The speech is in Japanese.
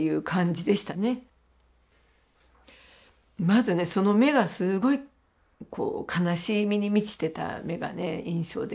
まずねその目がすごいこう悲しみに満ちてた目がね印象的でしたね。